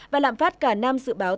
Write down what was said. và lạm phát cả năm dự báo